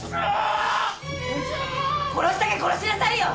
殺したきゃ殺しなさいよ！